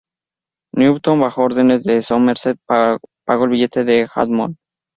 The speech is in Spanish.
Newton, bajo órdenes de Somerset, pagó el billete de Hammond.